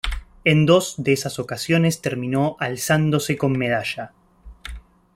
En dos de esas ocasiones terminó alzándose con medalla.